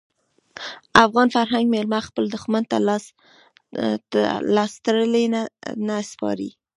افغان فرهنګ میلمه خپل دښمن ته لاس تړلی نه سپاري.